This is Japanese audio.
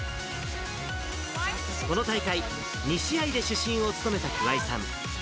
この大会、２試合で主審を務めた桑井さん。